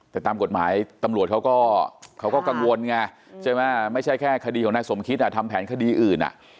แต่ตามกฎหมายตำรวจเขาก็กังวลไงใช่ไหมไม่ใช่แค่คดีของนายสมคิดทำแผนคดีอื่น